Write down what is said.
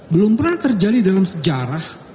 belum pernah terjadi dalam sejarah